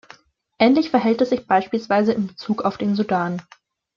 Ähnlich verhält es sich beispielsweise in Bezug auf den Sudan.